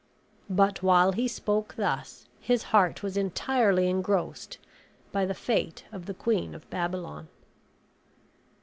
But while he spoke thus, his heart was entirely engrossed by the fate of the Queen of Babylon.